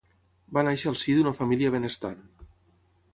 Va néixer al si d'una família benestant.